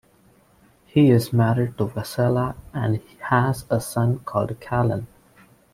He is married to Vessela and has a son called Kalin.